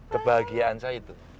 kebahagiaan saya itu